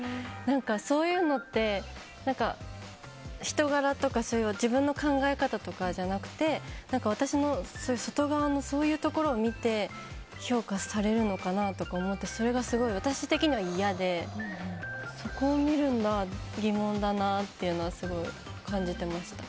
そういうのって人柄とか自分の考え方とかじゃなくて私の外側のそういうところを見て評価されるのかなとか思ってそれが、すごく私的には嫌でそこを見るのは疑問だなって感じていました。